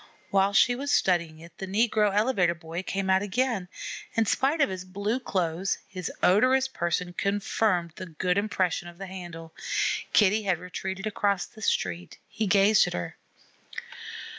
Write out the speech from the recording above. While she was studying it, the negro elevator boy came out again. In spite of his blue clothes, his odorous person confirmed the good impression of the handle. Kitty had retreated across the street. He gazed at her.